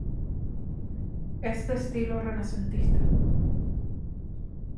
Es de estilo renacentista.